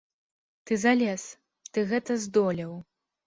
Ты залез, ты гэта здолеў.